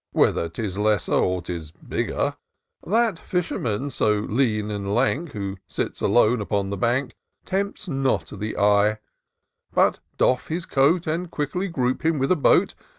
Whether 'tis lesser or 'tis bigger : That fisherman^ so lean and lank. Who sits alone upon the bank. Tempts not the eye ; but, doff his coat,. And quickly group him with a boat.